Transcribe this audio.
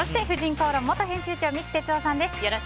そして、「婦人公論」元編集長三木哲男さんです。